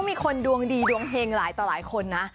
มีคนดวงดีดวงเฮงหลายต่อหลายคนนะ